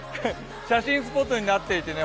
写真スポットになっています。